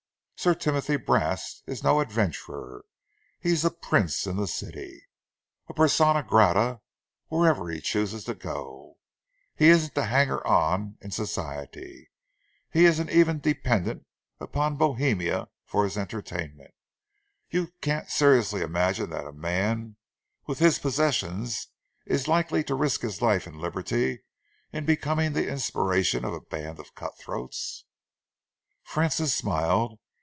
Sir Timothy Brast is no adventurer. He is a prince in the city, a persona grata wherever he chooses to go. He isn't a hanger on in Society. He isn't even dependent upon Bohemia for his entertainment. You can't seriously imagine that a man with his possessions is likely to risk his life and liberty in becoming the inspiration of a band of cutthroats?" Francis smiled.